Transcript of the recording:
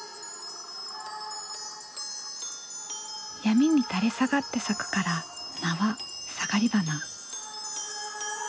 闇に垂れ下がって咲くから名はサガリバナ。